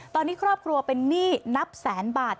ตอนนี้ครอบครัวเป็นหนี้นับแสนบาท